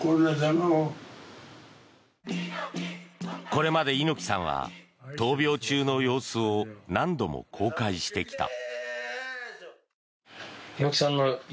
これまで猪木さんは闘病中の様子を何度も公開してきた。